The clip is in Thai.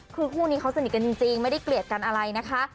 คือคู่นี้เขาสนิทกันจริงไม่ได้เกลียดกันอะไรนะคะ